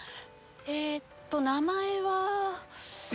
えーっと名前は。